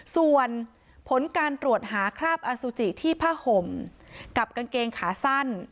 ส่วนผลการตรวจหาคราบอสุจิที่ผ้าห่มกับกางเกงขาสั้น